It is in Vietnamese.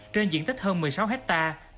trên diện tích hơn một mươi sáu hectare